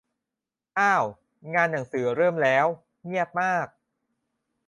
อ้าว งานหนังสือเริ่มแล้ว เงียบมาก